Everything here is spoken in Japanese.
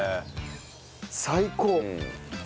最高。